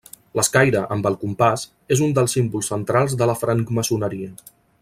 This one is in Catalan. L'escaire amb el compàs és un dels símbols centrals de la francmaçoneria.